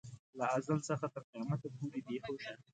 له ازل څخه تر قیامته پورې بې هوشه.